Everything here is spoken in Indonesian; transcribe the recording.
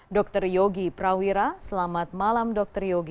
dr yogi prawira selamat malam dr yogi